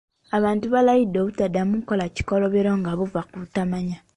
Abantu balayidde obutaddamu kukola bikolobero nga biva ku butamanya.